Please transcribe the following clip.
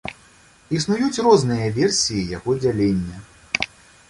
Існуюць розныя версіі яго дзялення.